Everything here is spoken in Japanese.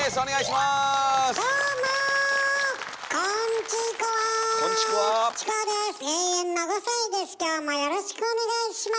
まずはどうもよろしくお願いします。